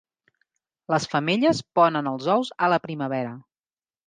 Les femelles ponen els ous a la primavera.